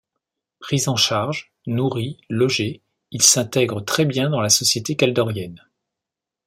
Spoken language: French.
Pris en charge, nourri, logé, il s'intègre très bien dans la société kaldorienne.